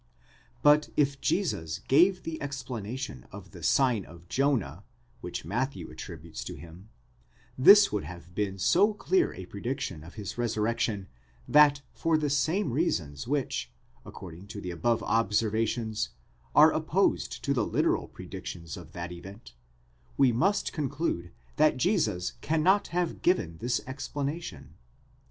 But if Jesus gave the explanation of the sign of Jonah which Matthew attributes to him, this would have been so clear a prediction of his resurrection, that for the same reasons which, according to the above observations, are opposed to the literal predictions of that event, we must conclude that Jesus cannot have given this explanation.